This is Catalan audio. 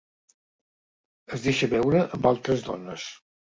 Es deixa veure amb altres dones.